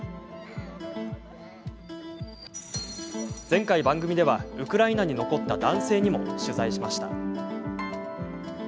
前回、番組ではウクライナに残った男性にも取材しました。